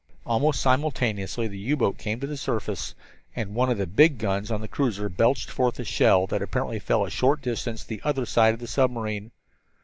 Almost simultaneously the U boat came to the surface and one of the big guns on the cruiser belched forth a shell that apparently fell a short distance the other side of the submarine.